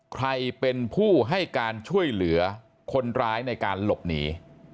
ใครเป็นผู้ให้การช่วยเหลือคนร้ายในการหลบหนี